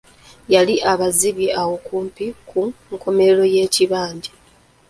Yali abazimbye awo kumpi ku nkomerero y'ekibanja.